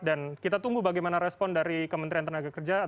dan kita tunggu bagaimana respon dari teman teman yang ada di ground aja han